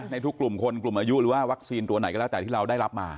ในทุกกลุ่มคนกลุ่มอายุหรือว่าวัคซีนตัวไหนก็แล้วแต่ที่เราได้รับมา